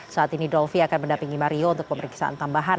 saat ini dolvi akan mendampingi mario untuk pemeriksaan tambahan